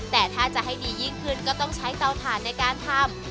แต่ถ้าจะให้ดียิ่งขึ้นก็ต้องใช้เตาถ่านในการทำ